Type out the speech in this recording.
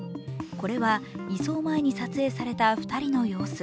これは移送前に撮影された２人の様子。